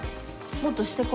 もっとしてこ。